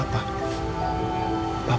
papa yang sangat mencintai kamu